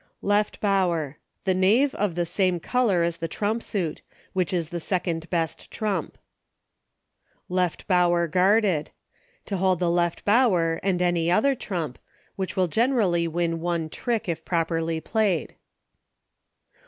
Left Bower. The Knave of the same color as the trump suit, which is the second best trump. Left Bower Guarded. To hold the Left Bower, and any other trump, which will gene rally win one trick if properly played.